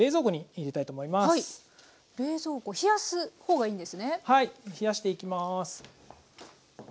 冷やしていきます。